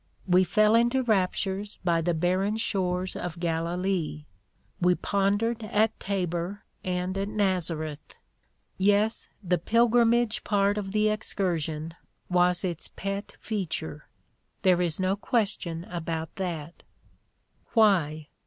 "We fell into raptures by the barren shores of Galilee; we pondered at Tabor and at Nazareth. ... Yes, the pil grimage part of the excursion was its pet feature — there is no question about that." "Why?